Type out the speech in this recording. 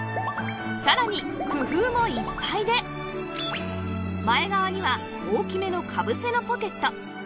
さらに工夫もいっぱいで前側には大きめのかぶせのポケット